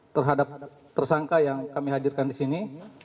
terhadap tersangka yang kami hadirkan di sini